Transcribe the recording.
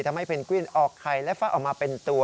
เพนกวินออกไข่และฟักออกมาเป็นตัว